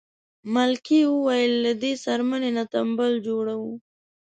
ملکې وویل له دې څرمنې نه تمبل جوړوو.